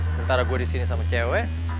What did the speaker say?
sementara gue disini sama cewek